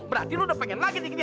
berarti lo udah pengen lagi dikit ya